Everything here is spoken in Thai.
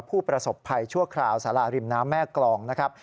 ผู้ประสบภัยชั่วคราวสาราริมน้ำแม่กรองนะครับ